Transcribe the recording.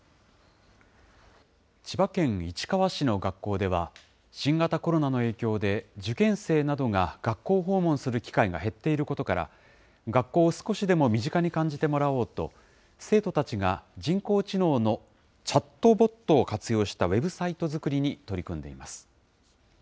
千葉県市川市の学校では、新型コロナの影響で受験生などが学校訪問する機会が減っていることから、学校を少しでも身近に感じてもらおうと、生徒たちが人工知能のチャットボットを活用したウェブサイト作り